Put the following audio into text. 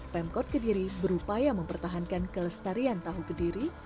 pemkot kediri berupaya mempertahankan kelestarian tahu kediri